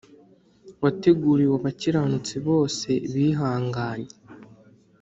Wateguriwe abakiranutsi bose bihanganye,